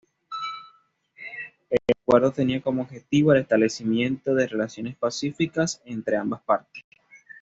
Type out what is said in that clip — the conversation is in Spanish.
El acuerdo tenía como objetivo el establecimiento de relaciones pacíficas entre ambas partes.